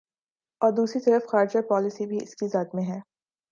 ا ور دوسری طرف خارجہ پالیسی بھی اس کی زد میں ہے۔